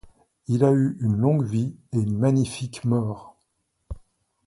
Il a eu une longue vie et une magnifique mort!